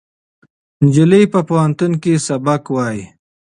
نجلۍ په پوهنتون کې سبق وایه.